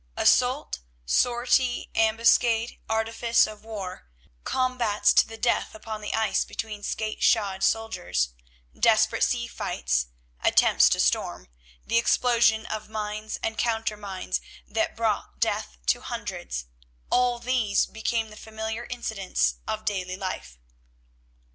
Assault, sortie, ambuscade, artifice of war; combats to the death upon the ice between skate shod soldiers; desperate sea fights, attempts to storm; the explosion of mines and counter mines that brought death to hundreds—all these became the familiar incidents of daily life.